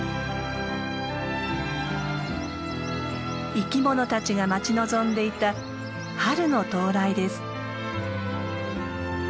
生きものたちが待ち望んでいた春の到来です。